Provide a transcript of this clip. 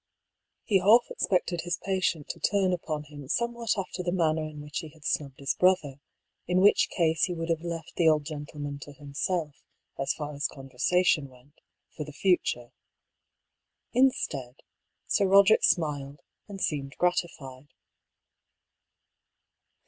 He half expected his patient to turn upon him some what after the manner in which he had snubbed his brother, in which case he would have left the old gentle man to himself, as far as conversation went, for the future. Instead, Sir Roderick smiled, and seemed grati fied.